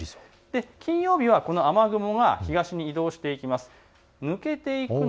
金曜日はこの雨雲が東へ移動していきます。